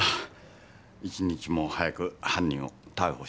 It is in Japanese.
１日も早く犯人を逮捕してください。